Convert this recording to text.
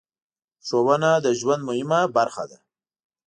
ښوونه د ژوند مهمه برخه ده.